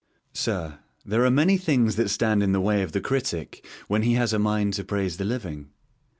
Sir, There are many things that stand in the way of the critic when he has a mind to praise the living.